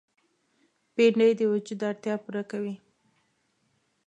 بېنډۍ د وجود اړتیا پوره کوي